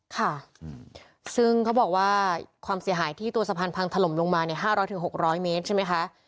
ค่ะซึ่งเขาบอกว่าความเสียหายที่ตัวสะพานพังถล่มลงมาเนี่ย๕๐๐๖๐๐เมตรใช่ไหมคะ